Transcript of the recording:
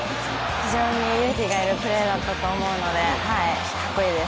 非常に勇気が要るプレーだったと思うのでかっこいいです。